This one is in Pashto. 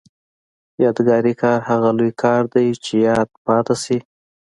یادګاري کار هغه لوی کار دی چې یاد پاتې شي.